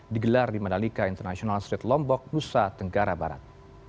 digelar di mandalika international street lombok nusa tenggara barat